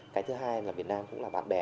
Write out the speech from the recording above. cái thứ hai là việt nam cũng là bạn bè